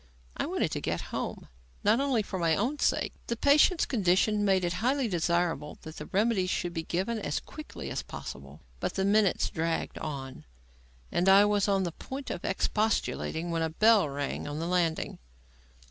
I wanted to get home, not only for my own sake; the patient's condition made it highly desirable that the remedies should be given as quickly as possible. But the minutes dragged on, and I was on the point of expostulating when a bell rang on the landing.